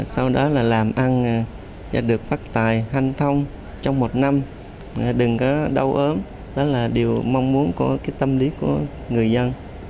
sau đó là làm ăn và được phát tài hanh thông trong một năm đừng có đau ớm đó là điều mong muốn của tâm lý của người dân